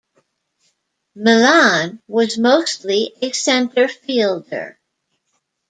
Milan was mostly a center fielder.